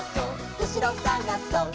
うしろさがそっ！」